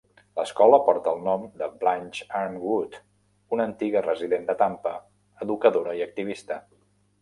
L'escola porta el nom de Blanche Armwood, una antiga resident de Tampa, educadora i activista.